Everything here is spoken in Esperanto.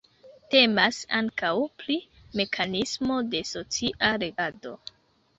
Temas ankaŭ pri mekanismo de socia regado.